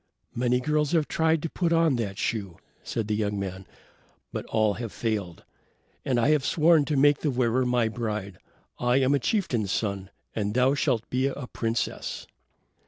"Many girls have tried to put on that shoe," said the young man, "but all have failed. And I have sworn to make the wearer my bride. I am a chieftain's son, and thou shalt be a princess."